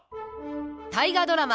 大河ドラマ